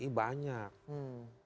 kalau misalnya cnn mau lihat